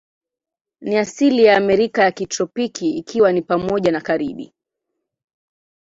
Ni asili ya Amerika ya kitropiki, ikiwa ni pamoja na Karibi.